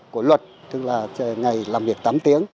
của luật tức là ngày làm việc tám tiếng